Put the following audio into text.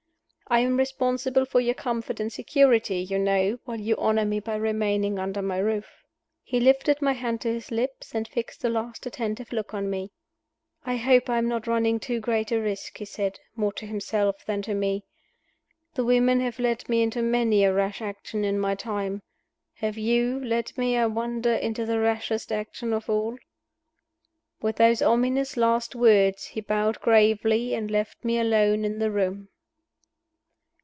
I am responsible for your comfort and security, you know, while you honor me by remaining under my roof." He lifted my hand to his lips, and fixed a last attentive look on me. "I hope I am not running too great a risk," he said more to himself than to me. "The women have led me into many a rash action in my time. Have you led me, I wonder, into the rashest action of all?" With those ominous last words he bowed gravely and left me alone in the room.